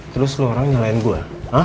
terus lu orang yang nyalain gua